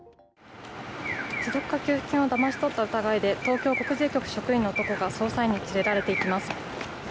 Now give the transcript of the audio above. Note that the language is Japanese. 持続化給付金をだまし取った疑いで東京国税局職員の男が捜査員に連れられていきます。